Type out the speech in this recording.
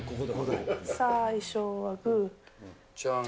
最初はグー。